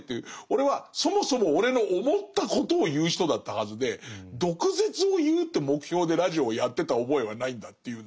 俺はそもそも俺の思ったことを言う人だったはずで毒舌を言うって目標でラジオをやってた覚えはないんだっていうんだけど